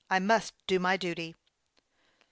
I must do my duty." Mr.